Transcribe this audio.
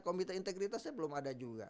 komite integritasnya belum ada juga